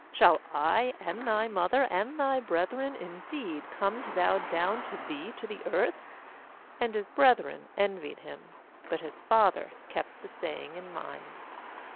Shall I and thy mother and thy brethren indeed come to bow down to thee to the earth?' uAnd his brethren envied him; but his father kept the saying in mind.